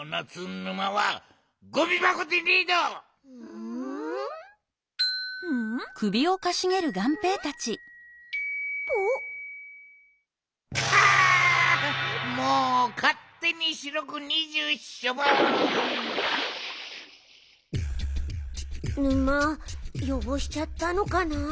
沼よごしちゃったのかな？